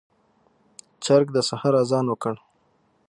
چرګ د سحر اذان وکړ.